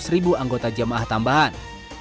tiga ratus ribu anggota jamaah tambahan